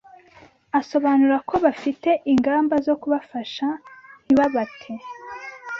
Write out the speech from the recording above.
asobanura ko bafite ingamba zo kubafasha ntibabate.